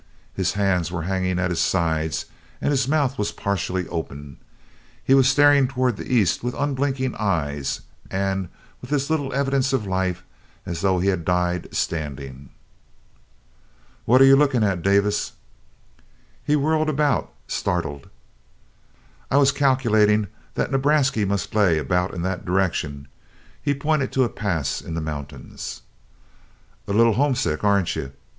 His hands were hanging at his sides, and his mouth was partially open. He was staring towards the east with unblinking eyes, and with as little evidence of life as though he had died standing. "What are you looking at, Davis?" He whirled about, startled. "I was calc'latin' that Nebrasky must lay 'bout in that direction." He pointed to a pass in the mountains. "A little homesick, aren't you?"